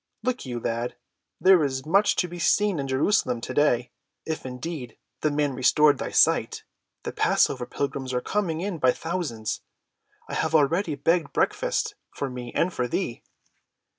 "Look you, lad, there is much to be seen in Jerusalem to‐day—if, indeed, the man restored thy sight—the passover pilgrims are coming in by thousands. I have already begged breakfast for me and for thee."